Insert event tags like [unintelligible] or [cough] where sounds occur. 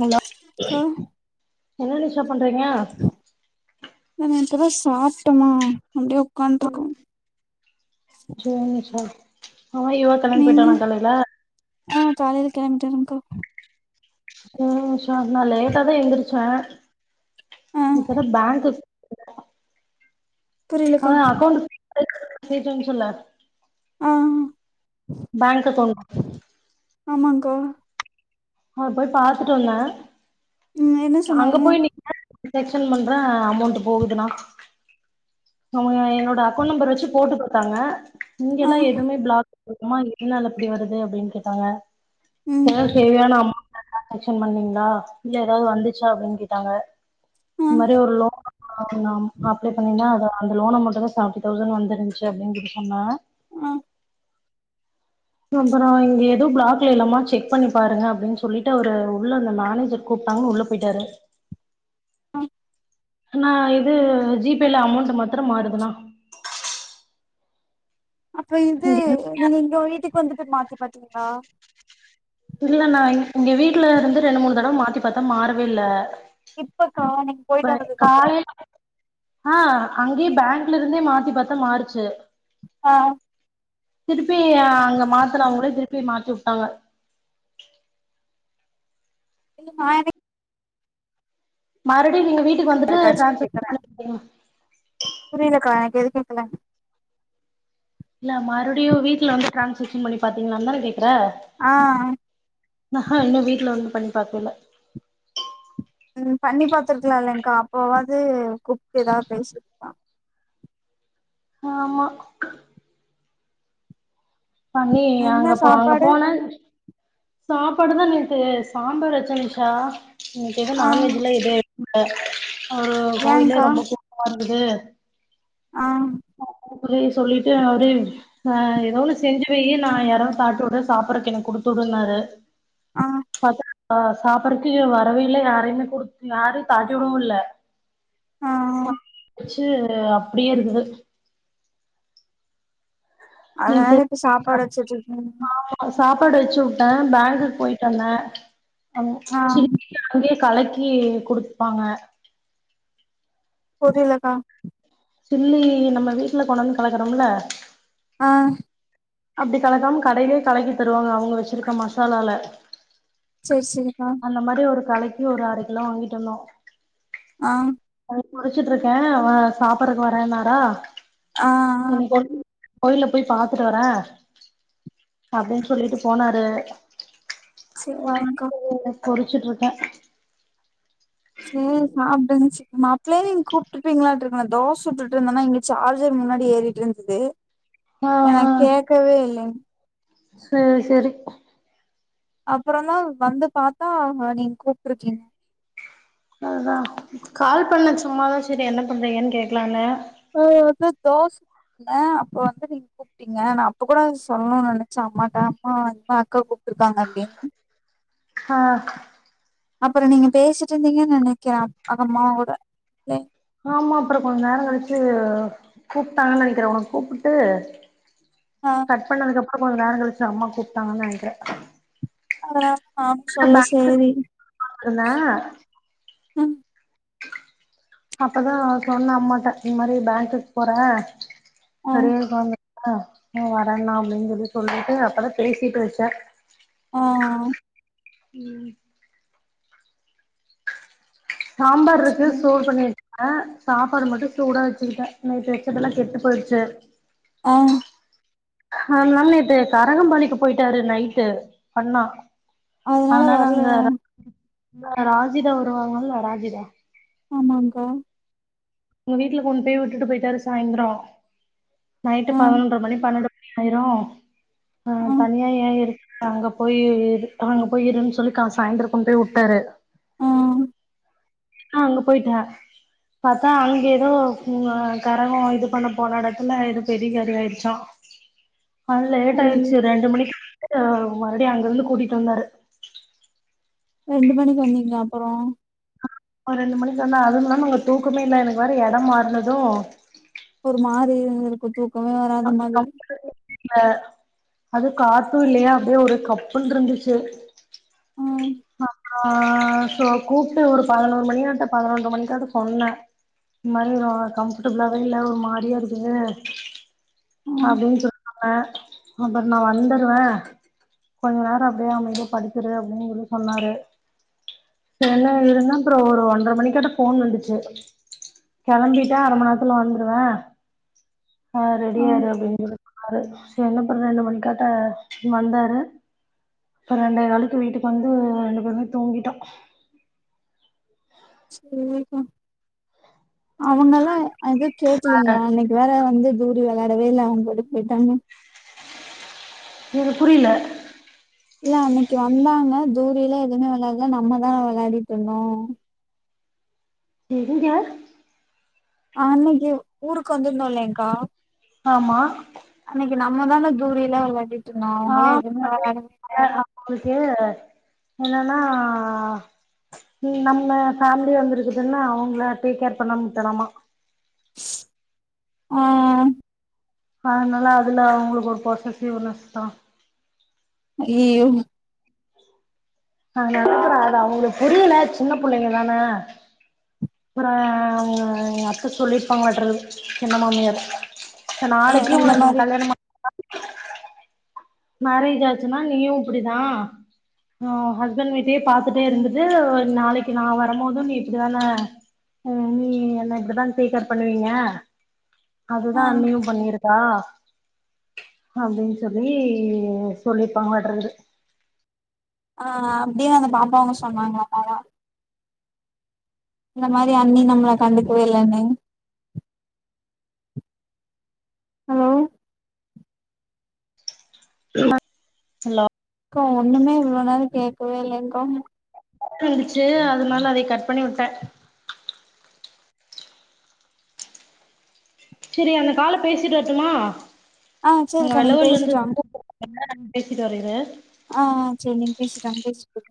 Hello அக்கா என்ன நிஷா பண்றீங்க நாங்க இப்பதா சாப்ட்டமா அப்டியே உக்காண்ட்ருக்கோ சேர் நிஷா ஆமா இவா கிளம்பி நீங்க போயிட்டானா காலையில ஆ காலையில கெளம்பிட்டாருங்கா சேரி நிஷா நா லேட்டா தா எந்திருச்சே ஆ இப்பதா பேங்க்குக் அ புரியலக்கா அக்கொண்ட் [inaudible] கேட்டன்சொல்லு ஆ பேங்க் அக்கௌண்டு ஆமாங்க்கா அ போய் பாத்துட்டு வந்தே ம் என்ன அங்க சொன்னாங்க போய் நீ ரிசக்ஷன் பண்றே அமௌண்ட் போகுதுண்ணா அவங்க என்னோட அக்கௌண்ட் நம்பர் வச்சு போட்டு பாத்தாங்க இங்கனா ஆ எதுவுமே பிளாக் குமா எதனால இப்டி வருது அப்டின்னு கேட்டாங்க ம் [unintelligible] தேவையான அமௌண்ட்ல டிரான்சாக்சன் பண்ணீங்களா இல்ல ஏதாவது வந்துச்சா அப்டின்னு கேட்டாங்க ஆ இது மாரி ஒரு லோன் ஒன்னு அப்ளை பண்ணேனா அத அந்த லோன் அமௌண்ட் தா செவண்டி தௌசண்ட் வந்துருச்சு அப்டின்னு சொல்லி சொன்னே ம் அப்புறோ இங்க எதுவு பிளாக்ல இல்லாம செக் பண்ணி பாருங்க அப்டின்னு சொல்லிட்டு அவரு உள்ள அந்த மேனேஜர் கூப்ட்டாங்கனு உள்ள போயிட்டாரு ம் நா இது ஜி பேயில அமௌண்ட் மத்திரம் மாறுதுன்னா அப்ப இது இங்க நீங்க எங்க வீட்டுக்கு வந்துட்டு மாத்தி பாத்தீங்களா இல்ல நா இங் இங்க வீட்டுல இருந்து ரெண்டு மூணு தடவை மாத்தி பாத்தே மாறவே இல்ல இப்ப காண இப்ப காலைல ஆ அங்கேயே பேங்க்ல இருந்தே மாத்தி பத்தே மாறுச்சு ஆ திருப்பி அங்க மாத்தறவங்களே திருப்பி மாத்தி வுட்டாங்க இல்ல நா என்ன மறுவுடி நீங்க வீட்டுக்கு வந்துட்டு டிரான்சக்ஷன் பண்ணி பாதிங்களா புரிலக்கா எனக்கு எது கேக்கல இல்ல மறுபடியு வீட்டுல வந்து டிரான்சாக்ஷன் பண்ணி பாத்தீங்களான்னு தானே கேக்குற ஆ ஆஹ் இன்னு வீட்டுல வந்து பண்ணி பாக்கல ம் பண்ணி பாத்துருக்கலா இல்லைங்கா அப்பாவது கூப்ட்டு ஏதாது பேசி ஆமா பண்ணி அங்க என்ன போ அங்க சாப்பாடு போனே சாப்பாடு தா நேத்து சாம்பார் வெச்ச நிஷா இன்னைக்கி எதோ ஆ நான்வெஜ்லா எதோ ல்ல ஒரு கோயிலே ஏங்க்கா ரொம்ப தூரமா இருக்குது ஆ புள்ளைய சொல்லிட்டு அவரே ஆ ஏதோ ஒன்னு செஞ்சு வெய்யி நா யாரோ தாட்டு வுடற சாப்பிடறதுக்கு எனக்கு குடுத்து வுடுன்னாரு ஆ பாத்த சாப்பறதுக்கு வரவேயில்ல யாரையுமே குடுத்து யாரு தாட்டி வுடவு இல்ல ஆ சா வச்சு அப்டியே இருக்குது அதனால இப்ப சாப்பாடு வச்சிட்டிருக்கங்க நா சாப்பாடு வெச்சு விட்டே பேங்க்கு போயிட்டு வந்தே ஆமா ஆ சி அங்கயே கலக்கி குடுத்துப்பாங்க போதிலக்கா சில்லி நம்ம வீட்டுல கொண்டு வந்து கலக்கறோம்ல அ அப்டி கலக்காம கடையிலயே கலக்கி தருவாங்க அவங்க வெச்சிருக்க மசாலால செரி செரி கா அந்த மாரி ஒரு கலக்கி ஒரு அரை கிலோ வாங்கிட்டு வந்தோ ஆ அது குளிச்சுட்ருக்கே வ சாப்பறக்கு வரேன்னாரா ஆ இன்னிக்கி [unintelligible] கோயில்ல போய் பாத்துட்டு வரே, அப்டின் சொல்லிட்டு போனாரு. சேரிங்க்கா. [inaudible] பொரிச்சிட்ருக்கே. சேரி சாப்டுங்க சீக்கமாப் ப்ளேவே நீங் கூப்ட்ருப்பிங்களாட்ருக்கு நா தோஸ் சுட்டுட்டுருந்தன்னா இங்க சார்ஜர் முன்னாடி ஏறிட்ருந்துது. ஆ ஆ சேரி சேரி. அப்பறந்தா வந்து பாத்தா நீங் கூப்ட்ருக்கீங்க. அதுதா கால் பண்ணே சும்மாதா சேரி என்ன பண்றீங்கன் கேக்கலானு. அ அத்தா தோச [inaudible] அப்ப வந்து நீங் கூ ப்டிங்க நா அப்ப கூட சொல்ணுன் நெனைச்சே அம்மாட்டா அம்மா இந்தமா அக்கா கூப்ட்ருக்காங்க அப்டின். ஹ. அப்புற நீங்க பேசிட்ருந்தீங்கன் நெனைக்கிறே அப் அம்மாவோட லை ஆமா அப்புற கொஞ்ச நேரோ கழிச்சு கூப்ட்டாங்க நெனைக்கிறே உனுக் கூப்புட்டு ஆ கட் பண்ணதுக்கப்புறோ கொஞ்ச நேரங் கழிச்சி அம்மா கூப்ட்டாங்கன் நெனைக்றே. அதனா க்கா பேங்க்கு [inaudible] இல்ல ம் அப்பதா சொன்ன அம்மாட்ட இந் மாரி பேங்க்குக் போறே ஆ கறி எடுக்க வந்துட்டே இவ வரேன்னா அப்டின் சொல்லி சொல்லிட்டு அப்பதா பேசிட்டு வெச்சே. அ அ. ம். சாம்பார்ருக்கு சேரி சூடு பண்ணி வெ ச்சே சாப்பாடு மட்டு சூடா வெச்சுக்கிட்டே நேத்து வெச்சதெல்லா கெட்டு போயிட்ச்சு. அ. அதனால நேத்து கரகம்பாளிக்கு போயிட்டாரு நைட்டு அண்ணா. அதனால அங்க [inaudible] ந்த ராஜிதா வருவாங்கல்ல ராஜிதா. ஆமாங்க்கா. வுங்க வீட்ல கொண் போய் விட்டுட்டு போயிட்டாரு சாய்ந்ரோ. நைட்டு ஆ பதனொன்ற மணி பன்னெண்டு ஆயிரு அ ஆ தனியா ஏ இரு அங்க போயி இ இரு அங்க போய் இருன் சொல்லி க சாய்ந்தர கொண்டு போய் உட்டாரு. ஆ அ அங்க போயிட்டே. பாத்தா அங்க எதோ க்ங்க கரகோ இது பண்ண போன எடத்துல எதோ பெரிய காரியோ ஆயிர்ச்சா. அது லேட் ஐயோ ஆயிருச்சு ரெண்டு மணிக்கு [inaudible] மறுவுடியு அங்கருந்து கூட்டிட்டு வந்தாரு. ரெண்டு மணிக் வந்தீங்ளா அப்புறோ. அ ரெண்டு மணிக்கு வந்தே அதுமில்லாமா அங்க தூக்கமே இல்ல எனக்கு வேற எடம் மாறுனது ஒரு மாரி இருந்திருக்கு தூ [inaudible] இல்ல அது காத்து இல்லையா அப்டியே ஒரே கப்புன்ருந்துச்சு. ம் அப்றோ சோ கூப்ட்டு ஒரு பதினொரு மணியாட்ட பதனொன்ற மணிக்காட்ட சொன்னே. இந் மாரி ரொ கம்ஃபடபுளாவே இல்ல ஒரு மாரியா இருக்குது. ம் அப்டின் [inaudible] சொன்னே. அப்பற் நா வந்துருவே கொஞ்ச நேரோ அப்டியே அமைதியா படுத்துரு அப்டின் சொல்லி சொன்னாரு. சேர்னு இருந்தே அப்புறோ ஒரு ஒன்ற மணிக்காட்ட ஃபோன் வந்துச்சு கெளம்பிட்டே அரைமண் நேரத்துல வந்துருவே யாரு ரெடியா ம் இரு அப்டின்னு சொல்லி சொன்னாரு சரி என்ன பண்ற என்ன பண்றது கரட்டா வந்தாரு அப்ப ரெண்ட காளுக்கு வீட்டுக்கு வந்து ரெண்டு பேருமே தூங்கிட்டோ இம் அவங்கல்லா எது கேக்கலீங்களா அன்னைக்கு வேற வந்து தூரி விளயாடவே இல்ல அவுங்க கூட போயிட்டாங்க எது புரில இல்ல அன்னைக்கு வந்தாங்க தூரிலா எதுவுமே விளையாடல நம்மதா விளையாடிட்டு இருந்தோ எங்க ஆஹ அன்னைக்கு ஊருக்கு வந்திருந்தோ இல்லேங்கா ஆம்மா அன்னைக்கு நம்ம தான தூரிலா விளையாடிட்டு இருந்தோ அவங்களா எதுவுமே விளையடவேயில்ல அவுளுக்கு என்னன்னா இம் நம்ம ஃபேமிலி வந்திருக்குதுன்னா அவங்கள டேக் கேர் பண்ணமா உட்டணாம்மா ஆஹ அதனால அதுல அவங்களுக்கு ஒரு போசசியுனஸ் தா அய் யோ ஆஹ ஆதானல அது அவங்களுக்கு புரில சின்ன பிள்ளைங்க தான அப்பற எங்க அத்த சொல்லியிருப்பாங்களட்டங்குது சின்ன மாமியாரு நாளக்கு இந்த உனக்கு மாரி கல்யாணம்ம மரேஜ் ஆச்சுன்னா நீயு இப்டிதா உ ஹஸ்பண்ட் விட்டயே பாத்துட்டே இருந்துட்டு நாளைக்கு நா வரும்போதும் நீ இப்டித்தான நீ என்ன இப்டி தான டேக்கேர் பண்ணுவீங்க ஆ அதுதா அன்னியு பண்ணிருக்கா அப்டின்னு சொல்லி இப்டி சொல்லிப்பாங்கலட்டங்குது ஆஹ் அப்டியே அந்த பாப்பவும் சொன்னாங்களாமா அதா இந்த மாரி அண்ணி நம்மளே கண்டுக்கவே இல்லன்னு ஹலோ ஹா ஹலோ அக்கா ஒண்ணுமே இவ்ளோ நேர கேட்கவே இல்லகா கட்டாயிருச்சு அதுனால அதையு கட் பண்ணி உட்ட செரி அந்த கால பேசிட்டு வரட்டுமா ஆ அங்க சரிக்கா நீங்க வெலவுல இருந்து பேசிட்டு வாங்க கூப்பு என்ன நடந்து பேசிட்டு வர இரு ஆஹ் செரி நீங்க பேசிட்டு வாங்க பேசிட்டு கூப்